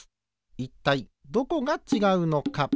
いったいどこがちがうのか。